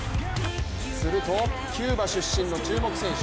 するとキューバ出身の注目選手